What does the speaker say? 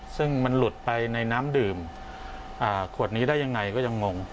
ซึ่งมันหลุดไปในน้ำดื่มขวดนี้ได้ยังไงก็ยังงง